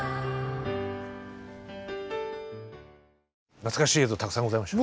懐かしい映像たくさんございました。